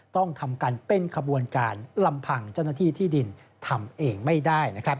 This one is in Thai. ต้องทำกันเป็นขบวนการลำพังเจ้าหน้าที่ที่ดินทำเองไม่ได้